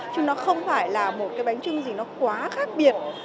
chứ nó không phải là một cái bánh trưng gì nó quá khác biệt